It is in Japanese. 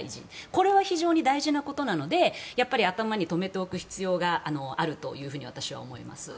これは非常に大事なことなので頭に止めておく必要があると思います。